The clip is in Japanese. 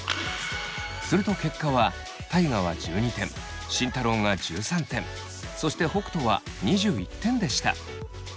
すると結果は大我は１２点慎太郎が１３点そして北斗は２１点でした。